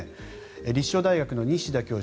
立正大学の西田教授。